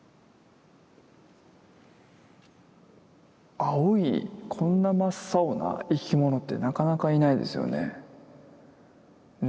青いこんな真っ青な生き物ってなかなかいないですよね。ね？